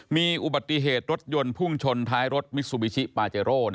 มีอุบัติเหตุรถยนต์พุ่งชนท้ายรถมิซูบิชิปาเจโร่